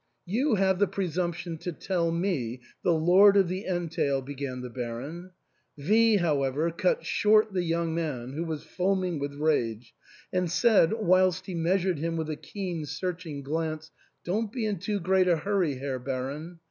" You have the presumption to tell me, the lord of the entail," began the Baron. V , how ever, cut short the young man, who was foaming with rage, and said, whilst he measured him with a keen searching glance, " Don't be in too great a hurry, Herr Baron.